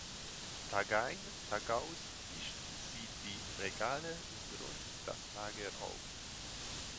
Tagein tagaus wischt sie die Regale und räumt das Lager auf.